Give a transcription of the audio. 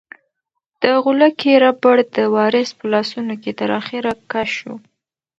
د غولکې ربړ د وارث په لاسونو کې تر اخره کش شو.